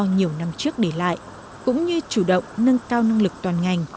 nhiều năm trước để lại cũng như chủ động nâng cao năng lực toàn ngành